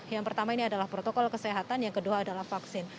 yang pertama ini adalah protokol kesehatan yang kedua adalah vaksin